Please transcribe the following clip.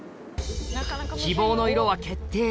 希望の色は決定